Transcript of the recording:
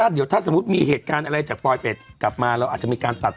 เดี๋ยวกลับมาครับ